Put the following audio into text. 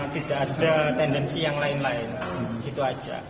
tidak ada tendensi yang lain lain itu aja